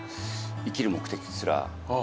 生きる目的すら。